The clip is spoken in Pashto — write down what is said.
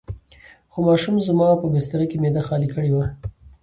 خو ماشوم زما په بستره کې معده خالي کړې وه.